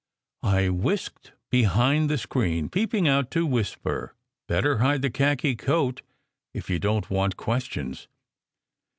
I whisked behind the screen, peeping out to whisper: "Better hide the khaki coat if you don t want questions!"